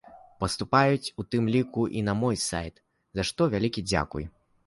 Паступаюць у тым ліку і на мой сайт, за што вялікі дзякуй!